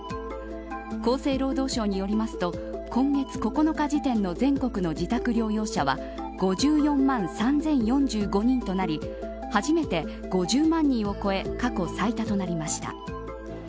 厚生労働省によりますと今月９日時点の全国の自宅療養者は５４万３０４５人となり初めて５０万人を超え過去最多となりました。